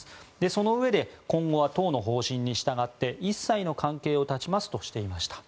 そのうえで今後は党の方針に従って一切の関係を断ちますとしていました。